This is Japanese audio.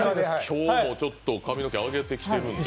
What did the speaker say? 今日も髪の毛、上げてきてるんで。